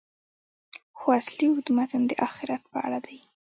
خو اصلي اوږد متن د آخرت په اړه دی.